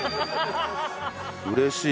うれしい。